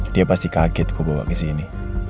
dia pasti kaget kau bawa ke sini